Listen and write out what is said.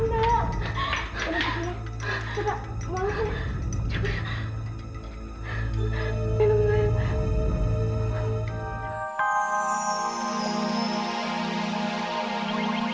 maju betar rumahku saja ma